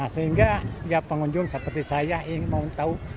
sehingga ya pengunjung seperti saya ingin tahu